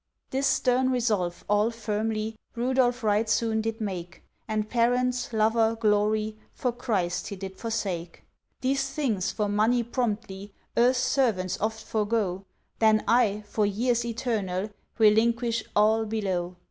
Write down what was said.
This stern resolve all firmly, Rudolph right soon did make; And parents, lover, glory, For Christ he did forsake. "These things for money promptly, Earth's servants oft forego, Then I, for years eternal, Relinquish all below.